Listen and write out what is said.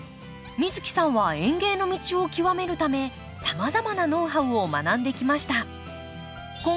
美月さんは園芸の道を極めるためさまざまなノウハウを学んできました。